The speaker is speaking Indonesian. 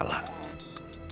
kalau begini ibu akan menangis